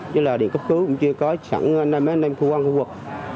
chứ là điện cấp cứu cũng chưa có sẵn mấy anh em khu văn khu vực